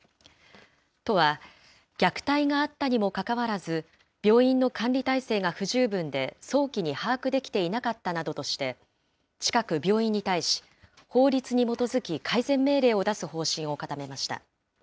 都は、虐待があったにもかかわらず、病院の管理体制が不十分で、早期に把握できていなかったなどとして、近く病院に対し、法律に基づき改善命令を出す方針を固めました。